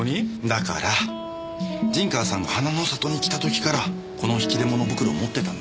だから陣川さんが花の里に来た時からこの引き出物袋を持ってたんですよ。